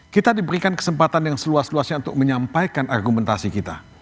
kita diberikan kesempatan yang seluas luasnya untuk menyampaikan argumentasi kita